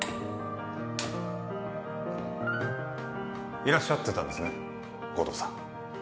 いらっしゃってたんですね、護道さん。